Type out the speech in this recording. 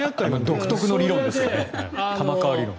独特の理論ですね玉川理論。